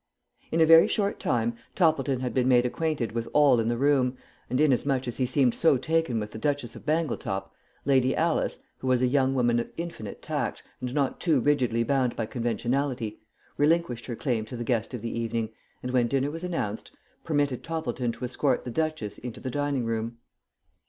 In a very short time Toppleton had been made acquainted with all in the room, and inasmuch as he seemed so taken with the Duchess of Bangletop, Lady Alice, who was a young woman of infinite tact, and not too rigidly bound by conventionality, relinquished her claim to the guest of the evening, and when dinner was announced, permitted Toppleton to escort the Duchess into the dining room.